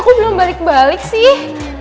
aku belum balik balik sih